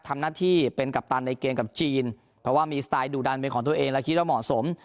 ทำหน้าที่เป็นกัปตันในเกมกับจีนเพราะว่ามีสไตล์ดุดันเป็นของตัวเองและคิดว่าเหมาะสม